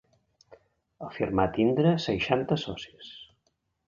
Afirmà tindre seixanta socis.